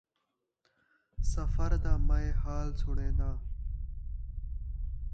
سفر دا میں حال سݨینداں